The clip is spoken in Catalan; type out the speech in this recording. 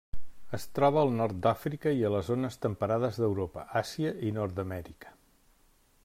Es troba al nord d'Àfrica i a les zones temperades d'Europa, Àsia i Nord-amèrica.